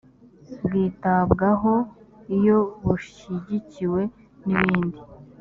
bwitabwaho iyo bushyigikiwe n ibindi